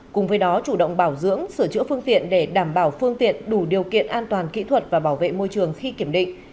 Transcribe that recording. cùng với đó chủ động bảo dưỡng sửa chữa phương tiện để đảm bảo phương tiện đủ điều kiện an toàn kỹ thuật và bảo vệ môi trường khi kiểm định